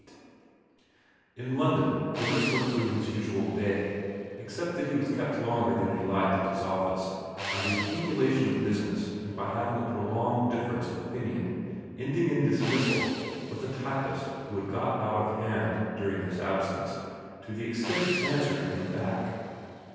XXVIII IN London Wemyss went through his usual day, except that he was kept longer than he liked at his office by the accumulation of business and by having a prolonged difference of opinion, ending in dismissal, with a typist who had got out of hand during his absence to the extent of answering him back.